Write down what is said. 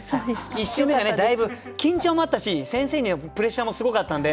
１週目がねだいぶ緊張もあったし先生にやっぱプレッシャーもすごかったんで。